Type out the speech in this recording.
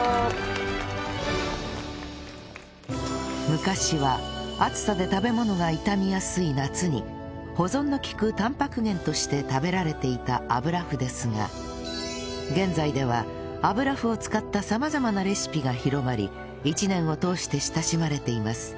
昔は暑さで食べ物が傷みやすい夏に保存の利くタンパク源として食べられていた油麩ですが現在では油麩を使った様々なレシピが広まり一年を通して親しまれています